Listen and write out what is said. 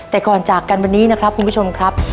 แต่ก่อนจากกันวันนี้นะครับคุณผู้ชมครับ